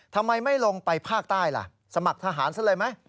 ทำไมไม่ลงไปภาคใต้ล่ะสมัครทหารซะเลยไหม